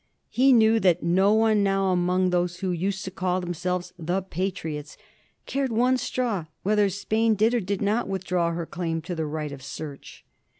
He knew that no one now among those who used to call themselves "the Patriots" cared one straw whether Spain did or did not withdraw her claim to til e Right of Search.